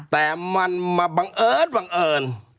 แต่มันมาบังเอิญบังเอิญ